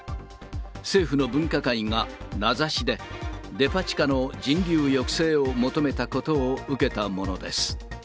政府の分科会が名指しで、デパ地下の人流抑制を求めたことを受けたものです。